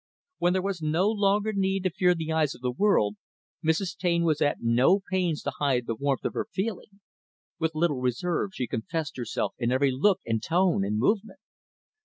When there was no longer need to fear the eyes of the world, Mrs. Taine was at no pains to hide the warmth of her feeling. With little reserve, she confessed herself in every look and tone and movement.